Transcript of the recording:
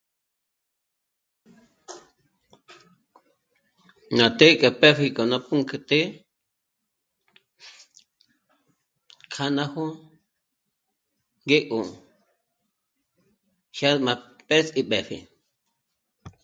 Ná të́'ë k'a pë́pji ná punk'üte kjá'a ná jó'o ngé 'ó jyasm'á pés'i mbë́pji